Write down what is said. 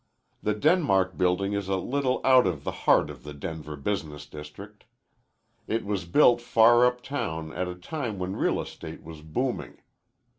The Denmark Building is a little out of the heart of the Denver business district. It was built far uptown at a time when real estate was booming.